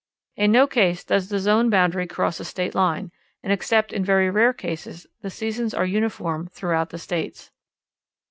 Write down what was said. In no case does the zone boundary cross a state line, and except in very rare cases the seasons are uniform throughout the states."